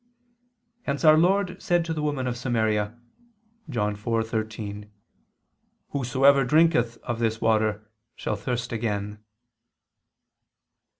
Hence Our Lord said to the woman of Samaria (John 4:13): "Whosoever drinketh of this water, shall thirst again."